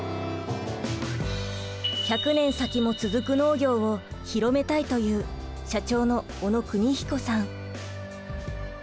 １００年先も続く農業を広めたいという社長の小野邦彦さん。